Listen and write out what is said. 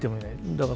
だから